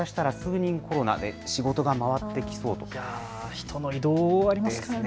人の移動、ありますからね。